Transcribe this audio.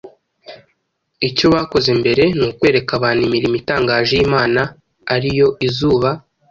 Icyo bakoze mbere ni ukwereka abantu imirimo itangaje y’Imana ari yo izuba,